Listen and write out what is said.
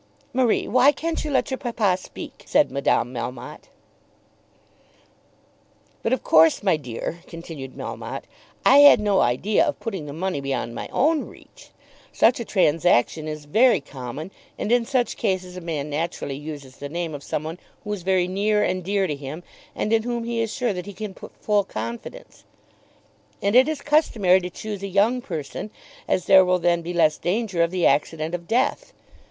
"Marie, why can't you let your papa speak?" said Madame Melmotte. "But of course, my dear," continued Melmotte, "I had no idea of putting the money beyond my own reach. Such a transaction is very common; and in such cases a man naturally uses the name of some one who is very near and dear to him, and in whom he is sure that he can put full confidence. And it is customary to choose a young person, as there will then be less danger of the accident of death.